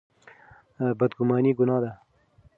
بدګماني ګناه ده.